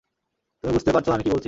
তুমি বুঝতে পারছ আমি কি বলছি?